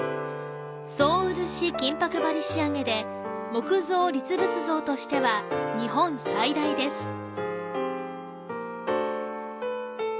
総漆金箔張り仕上げで、木造立仏像としては日本最大です。